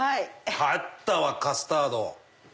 あったわカスタード。